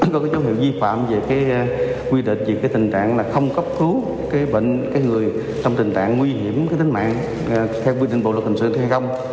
đó là dấu hiệu vi phạm về cái quy định về cái tình trạng là không cấp cứu cái bệnh cái người trong tình trạng nguy hiểm cái tính mạng theo quy định bộ luật hình sự hay không